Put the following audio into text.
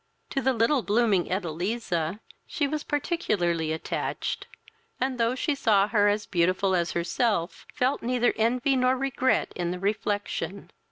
To the little blooming Edeliza she was particularly attached; and, though she saw her as beautiful as herself, felt neither envy nor regret in the reflection.